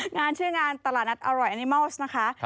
ชื่องานตลาดนัดอร่อยแอนิมอลสนะคะ